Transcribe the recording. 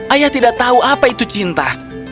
ayah tidak tahu apa itu cinta